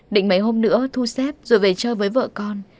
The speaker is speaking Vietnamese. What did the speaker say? định mấy hôm nữa thu xếp rồi về chơi với vợ con